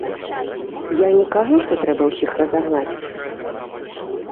Я не кажу, што трэба ўсіх разагнаць.